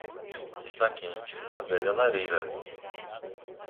Está quente na velha lareira.